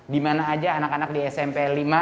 dimana aja anak anak di smp lima